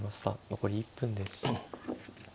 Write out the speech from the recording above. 残り１分です。